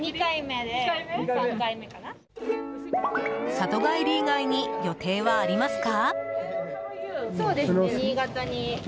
里帰り以外に予定はありますか？